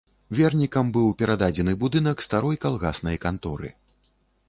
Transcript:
Вернікам быў перададзены будынак старой калгаснай канторы.